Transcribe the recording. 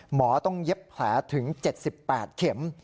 หมอต้องเย็บแผลถึง๗๘เข็ม